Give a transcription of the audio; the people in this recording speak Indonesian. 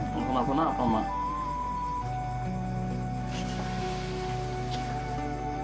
punta punta apa mak